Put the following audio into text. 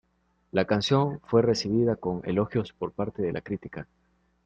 La canción fue recibida con elogios por parte de la crítica.